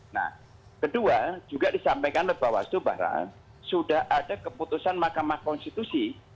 nah kedua juga disampaikan oleh bawaslu bahwa sudah ada keputusan mahkamah konstitusi